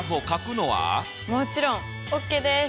もちろんＯＫです。